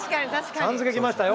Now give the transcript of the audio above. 「さん」付け来ましたよ。